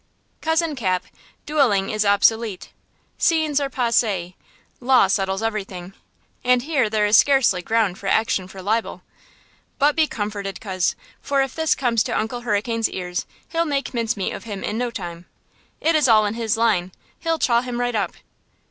"Cousin Cap, dueling is obsolete; scenes are passè; law settles everything; and here there is scarcely ground for action for libel. But be comforted, coz, for if this comes to Uncle Hurricane's ears, he'll make mince meat of him in no time. It is all in his line; he'll chaw him right up!"